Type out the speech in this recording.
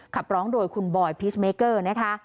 ขับร้องโดยคุณบอยพีชเมเกอร์นะคะ